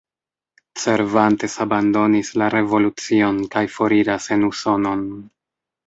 Cervantes abandonis la revolucion kaj foriras en Usonon.